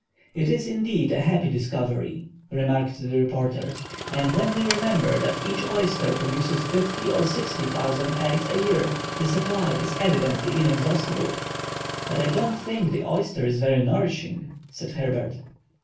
"It is, indeed, a happy discovery," remarked the reporter. "And when we remember that each oyster produces fifty or sixty thousand eggs a year, the supply is evidently inexhaustable." "But I don't think the oyster is very nourishing," said Herbert.